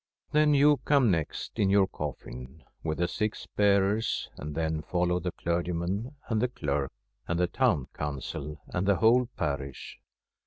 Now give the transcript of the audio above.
Then you come next in your coffin, with the six bearers, and then follow the clergyman and the clerk and the Town Council and the whole parish.